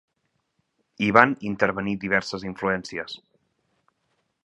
Hi van intervenir diverses influències.